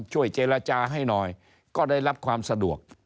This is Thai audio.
ช่วยเจรจาให้หน่อยก็ได้รับความสะดวก